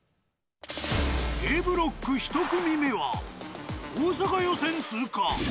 Ａブロック１組目は大阪予選通過。